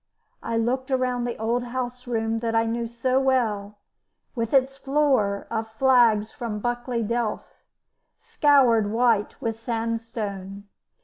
I looked around the old house room that I knew so well, with its floor of flags from Buckley Delph, scoured white with sandstone.